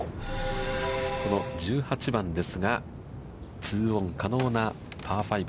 この１８番ですが、ツーオン可能なパー５。